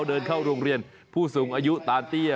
เดินเข้าโรงเรียนผู้สูงอายุตาเตี้ย